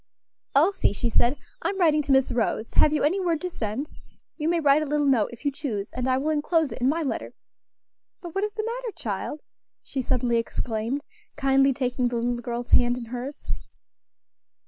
"Elsie," she said, "I am writing to Miss Rose; have you any word to send? You may write a little note, if you choose, and I will enclose it in my letter. But what is the matter, child?" she suddenly exclaimed, kindly taking the little girl's hand in hers.